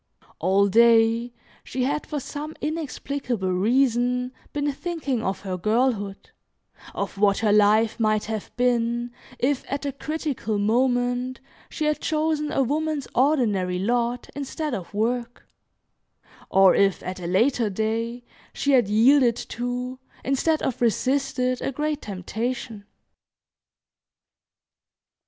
All day she had, for some inexplicable reason, been thinking of her girlhood, of what her life might have been if, at a critical moment, she had chosen a woman's ordinary lot instead of work, or if, at a later day, she had yielded to, instead of resisted, a great temptation.